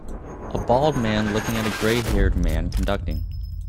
A bald man looking at a grayhaired man conducting